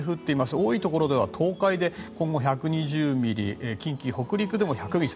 多いところでは東海で今後、１２０ミリ近畿・北陸でも１００ミリ。